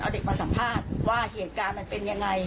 เอาเด็กมาสัมภาษณ์ว่าเหตุการณ์มันเป็นยังไง